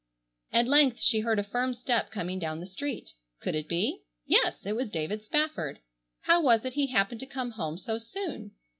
At length she heard a firm step coming down the street. Could it be? Yes, it was David Spafford. How was it he happened to come home so soon?